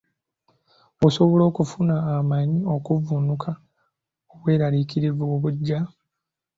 Osobola okufuna amaanyi okuvvuunuka obweraliikirivu obujja.